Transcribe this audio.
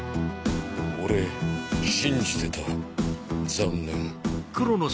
俺信じてた残念。